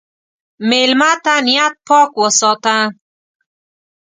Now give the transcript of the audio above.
مېلمه ته نیت پاک وساته.